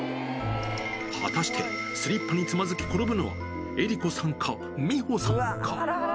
果たして、スリッパにつまずき、転ぶのは江里子さんか、美穂さんか。